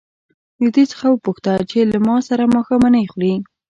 له دې څخه وپوښته چې له ما سره ماښامنۍ خوري.